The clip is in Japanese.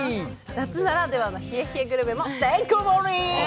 夏ならではの冷え冷えグルメもてんこ盛り。